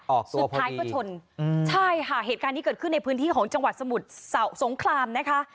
สุดท้ายก็ชนอืมใช่ค่ะเหตุการณ์นี้เกิดขึ้นในพื้นที่ของจังหวัดสมุทรสงครามนะคะ